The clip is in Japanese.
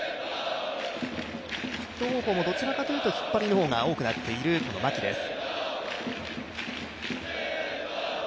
ヒット方向もどちらかというと引っ張りが多くなっているまきです。